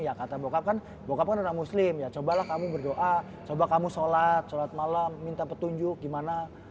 ya kata bokap kan bokap kan orang muslim ya cobalah kamu berdoa coba kamu sholat sholat malam minta petunjuk gimana